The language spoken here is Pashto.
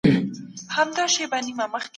د قران ايتونه بايد عملي سي.